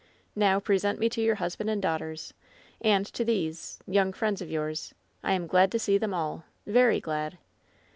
"Now pre sent me to your husband and daughters, and to these — young friends of yours. I am glad to see them alL Very gkd."